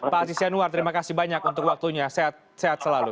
pak aziz yanuar terima kasih banyak untuk waktunya sehat selalu